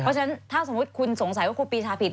เพราะฉะนั้นถ้าสมมุติคุณสงสัยว่าครูปีชาผิด